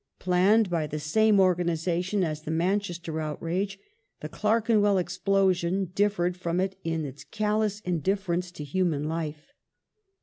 Planned by the same organization as the Manchester outrage, the Clerkenwell explosion differed from it in callous indifference to human life.